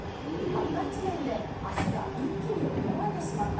「たった１年で脚が一気に衰えてしまった」